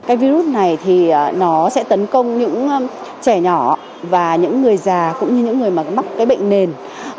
cái virus này thì nó sẽ tấn công những trẻ nhỏ và những người già cũng như những người mà mắc cái bệnh nền